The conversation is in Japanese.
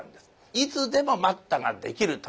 いつでも「待った」ができるという。